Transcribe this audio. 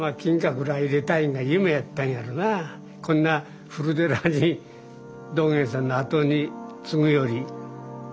こんな古寺に道源さんの後に継ぐより。